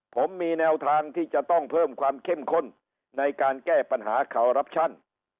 ผมมีแนวทางที่จะต้องเพิ่มความเข้มข้นในการแก้ปัญหาคอรัปชั่น